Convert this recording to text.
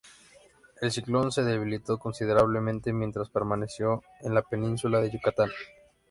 El ciclón se debilitó considerablemente mientras permaneció en la península de Yucatán.